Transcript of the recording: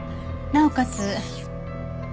なおかつ